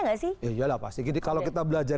nggak sih ya lah pasti jadi kalau kita belajar